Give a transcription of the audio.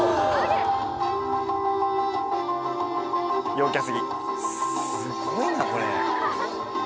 陽キャ過ぎすごいなこれ。